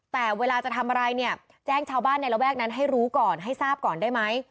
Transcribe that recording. แต่เวลาจะทำอะไรเนี่ยแจ้งชาวบ้านในระแวกนั้นให้รู้ก่อนให้ทราบก่อนได้ไหม